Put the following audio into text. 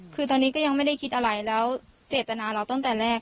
คือตอนนี้ก็ยังไม่ได้คิดอะไรแล้วเจตนาเราตั้งแต่แรก